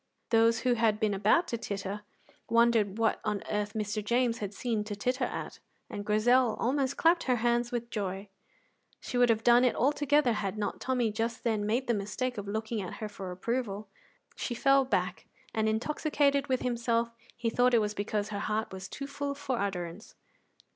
Those who had been about to titter wondered what on earth Mr. James had seen to titter at, and Grizel almost clapped her hands with joy; she would have done it altogether had not Tommy just then made the mistake of looking at her for approval. She fell back, and, intoxicated with himself, he thought it was because her heart was too full for utterance.